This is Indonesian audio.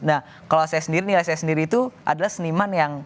nah kalau saya sendiri nilai saya sendiri itu adalah seniman yang